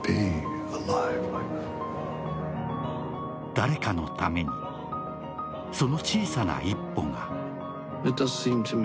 誰かのためにその小さな一歩が。